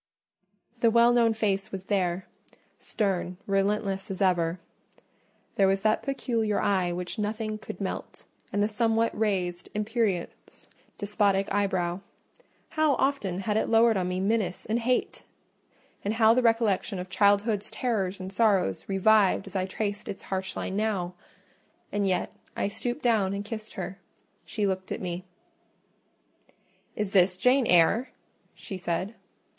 The well known face was there: stern, relentless as ever—there was that peculiar eye which nothing could melt, and the somewhat raised, imperious, despotic eyebrow. How often had it lowered on me menace and hate! and how the recollection of childhood's terrors and sorrows revived as I traced its harsh line now! And yet I stooped down and kissed her: she looked at me. "Is this Jane Eyre?" she said.